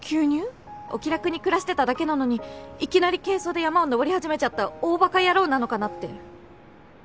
お気楽に暮らしてただけなのにいきなり軽装で山を登り始めちゃった大バカ野郎なのかなって。